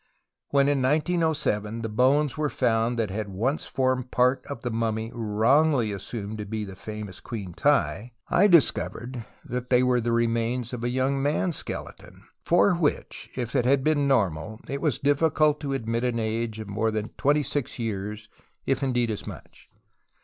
AVhen in 1907 the bones were found that had once formed part of the mummy wrongly assumed to be the famous Queen Tiy, I dis covered that they were the remains of a young man's skeleton, for Avhich, if it had been normal, it was difficult to admit an age of more than twenty six years, if indeed as much.